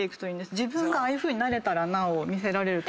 自分もああいうふうになれたらなを見せられると。